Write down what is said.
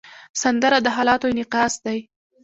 سندره د حالاتو انعکاس دی